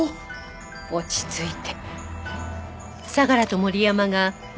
落ち着いて。